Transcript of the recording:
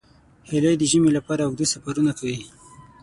هیلۍ د ژمي لپاره اوږده سفرونه کوي